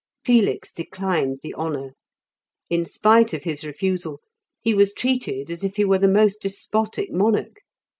Felix declined the honour; in spite of his refusal, he was treated as if he were the most despotic monarch.